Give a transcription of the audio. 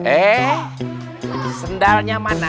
eh sendalnya mana